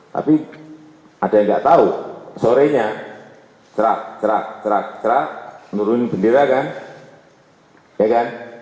tapi ada yang enggak tahu sore nya cerak cerak cerak cerak menurunin bendera kan ya kan